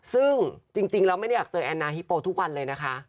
ซึ่งจริงแล้วไม่ได้อยากเจอแอนนาฮิปโปทุกวันเลยนะคะ